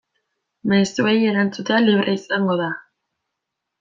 Mezuei erantzutea libre izango da.